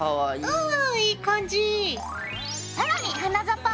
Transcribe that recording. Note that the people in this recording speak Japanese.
うんいい感じ！